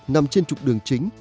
nằm trên trục đường chính